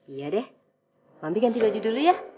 iya deh mampi ganti baju dulu ya